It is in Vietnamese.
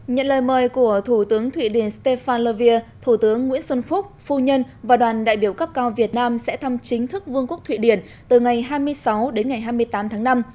nhận lời mời của thủ tướng thụy điển stefan lavier thủ tướng nguyễn xuân phúc phu nhân và đoàn đại biểu cấp cao việt nam sẽ thăm chính thức vương quốc thụy điển từ ngày hai mươi sáu đến ngày hai mươi tám tháng năm